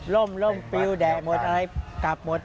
ล่มปิวแดดหมดอะไรกลับหมด